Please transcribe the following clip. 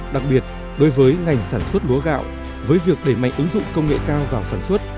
đặc biệt đối với ngành sản xuất lúa gạo với việc đẩy mạnh ứng dụng công nghệ cao vào sản xuất